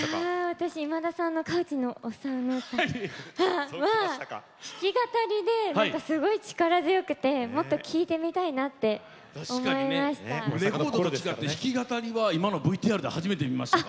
私、今田さんの「河内のオッサンの唄」は弾き語りで、すごい力強くてもっと聴いてみたいなって思いました。